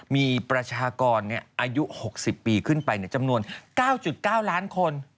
มีประชากรอายุ๖๐ปีขึ้นไปจำนวน๙๙ล้านคน